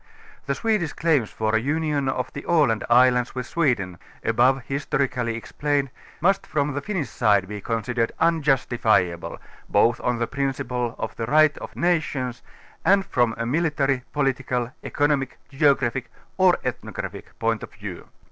The Swedish claims for a union of the Aland islands with Sweden, above historically explained, must from the Pinnish side be considered '^unjustifiable both on the prin ciple of the Right of Nations and from a military, political economic, geographic or ethnographic point of view.